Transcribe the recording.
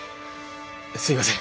すいません。